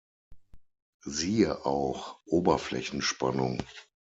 Siehe auch: Oberflächenspannung